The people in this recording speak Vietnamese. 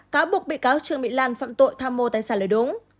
cáo buộc bị cáo trương mỹ lan phạm tội tham mô tài sản lời đúng